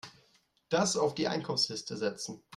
Das auf die Einkaufsliste setzen.